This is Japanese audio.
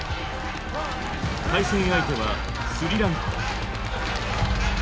対戦相手はスリランカ。